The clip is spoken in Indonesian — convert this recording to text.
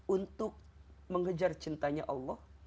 untuk mengejar cinta tuhan